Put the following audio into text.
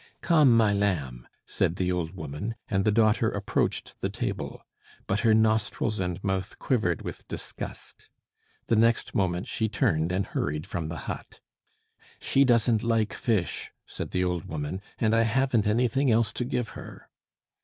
"Come, my lamb," said the old woman; and the daughter approached the table. But her nostrils and mouth quivered with disgust. The next moment she turned and hurried from the hut. "She doesn't like fish," said the old woman, "and I haven't anything else to give her."